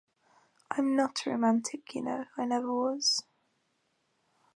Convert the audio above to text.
I am not romantic, you know; I never was.